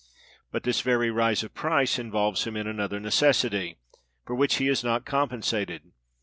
But this very rise of price involves him in another necessity, for which he is not compensated.